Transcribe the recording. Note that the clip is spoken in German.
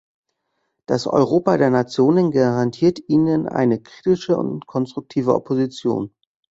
Das Europa der Nationen garantiert Ihnen eine kritische und konstruktive Opposition.